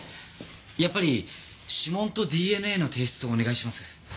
やっぱり指紋とＤＮＡの提出をお願いします。